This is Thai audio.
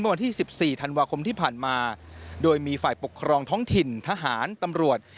วันที่๑๔ธันวาคมที่ผ่านมาโดยมีฝ่ายปกครองท้องถิ่นทหารตำรวจ